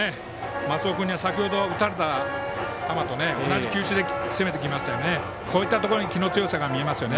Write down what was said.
松尾君には先ほど打たれた球と同じ球種で攻めてきましたよね。